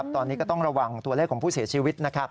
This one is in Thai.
ตอนนี้ก็ต้องระวังตัวเลขของผู้เสียชีวิต